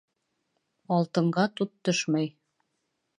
Алтынға тут төшмәй.